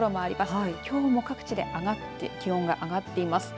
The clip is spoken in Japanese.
きょうも各地で気温が上がっています。